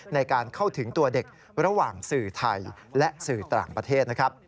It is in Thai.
ในการเข้าถึงตัวเด็กระหว่างสื่อไทยและสื่อต่างประเทศนะครับ